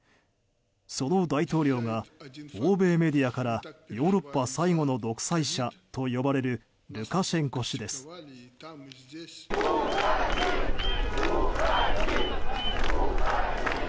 その大統領が、欧米メディアからヨーロッパ最後の独裁者と呼ばれるルカシェンコ氏です。